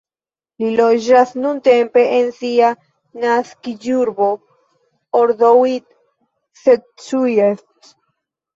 Li loĝas nuntempe en sia naskiĝurbo, Odorheiu Secuiesc.